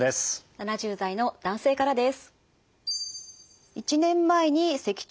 ７０代の男性からです。